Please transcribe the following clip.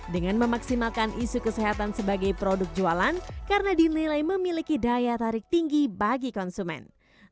dengan memaksimalkan isu kesehatan sebagai produk jualan karena dinilai memiliki daya tarik tinggi bagi konsumen